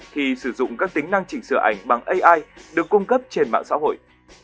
thì sử dụng các tính năng chỉnh sửa ảnh bằng ai được cung cấp trên mạng xã hội